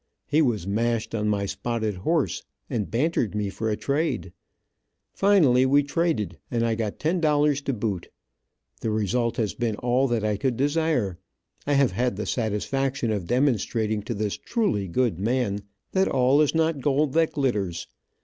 He was mashed on my spotted horse, and bantered me for a trade. Finally we traded, and I got ten dollars to boot. The result has been all that I could desire. I have had the satisfaction of demonstrating to this truly good man that all is not gold that glitters.